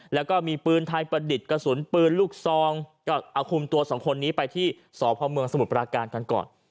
แล้วก็มีปืนไทยประดิษฐ์กระสุนปืนลูกซองก็เอาคุมตัวสองคนนี้ไปที่สพเมืองสมุทรปราการกันก่อน